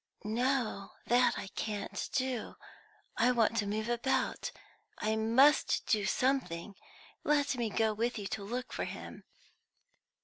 "No, that I can't do. I want to move about; I must do something. Let me go with you to look for him."